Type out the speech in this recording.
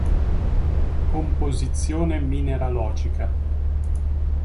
Composizione mineralogica.